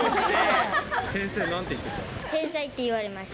先生、なんて言ってた？